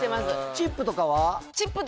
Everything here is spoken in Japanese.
チップとかは？